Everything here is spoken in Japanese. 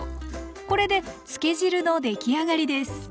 これでつけ汁のできあがりです。